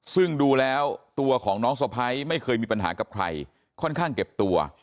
ซึ่งดูแล้วตัวของน้องสะพ้ายไม่เคยมีปัญหากับใครค่อนข้างเก็บตัว